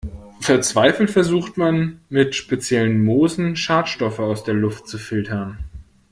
Verzweifelt versucht man, mit speziellen Moosen Schadstoffe aus der Luft zu filtern.